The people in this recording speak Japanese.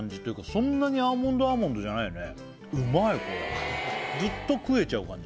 そんなにアーモンドアーモンドじゃないよね